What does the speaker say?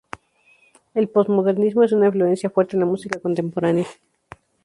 El posmodernismo es una influencia fuerte en la música contemporánea.